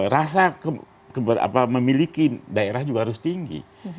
rasa memiliki daerah juga harus tinggi